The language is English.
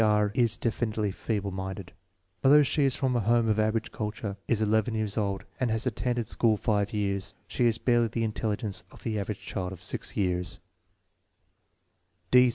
R. is definitely feeble minded. Although she is from a home of average culture, is 11 years old, and has attended school five years, she has barely the intelligence of the average child of six years.